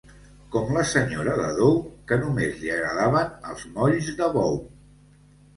Com la senyora de Dou, que només li agradaven els molls de bou.